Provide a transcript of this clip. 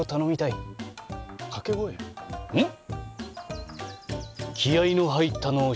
えっ？